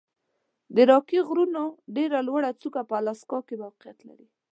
د راکي د غرونو ډېره لوړه څوکه په الاسکا کې موقعیت لري.